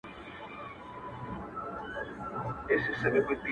• رباب او سارنګ ژبه نه لري -